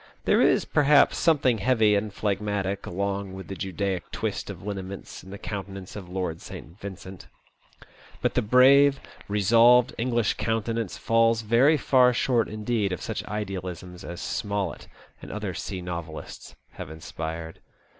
There is, perhaps, something heavy and phlegmatic along with the Judaic twist of lineaments in the countenance of Lord St. Vincent ; but the brave, resolved English countenance falls very far short indeed of such idealisms as Smollett and other sea novelists have inspired.